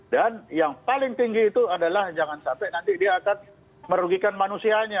dan yang paling tinggi itu adalah jangan sampai nanti dia akan merugikan manusianya